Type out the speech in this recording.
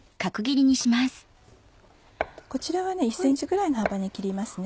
こちらは１ｃｍぐらいの幅に切りますね。